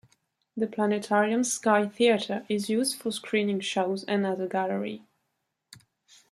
The planetarium's sky theatre is used for screening shows and as a gallery.